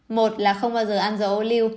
một là không bao giờ ăn dầu ô lưu